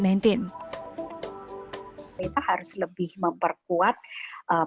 kita harus lebih memperkuat